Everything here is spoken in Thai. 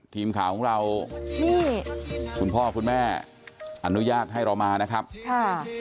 ทีมข่าวของเรานี่คุณพ่อคุณแม่อนุญาตให้เรามานะครับค่ะ